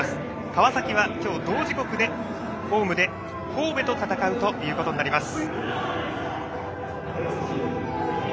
川崎は今日、同時刻でホームで神戸で戦うということになります。